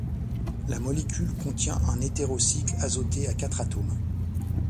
La molécule contient un hétérocycle azoté à quatre atomes.